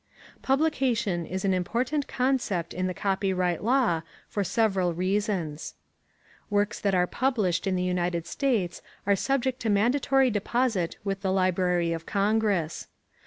Publication is an important concept in the copyright law for several reasons: + Works that are published in the United States are subject to mandatory deposit with the Library of Congress.